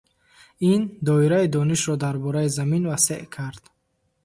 Ин доираи донишро дар бораи Замин васеъ кард.